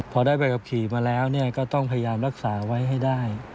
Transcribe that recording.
พอได้ใบขับขี่มาแล้วก็ต้องพยายามรักษาไว้ให้ได้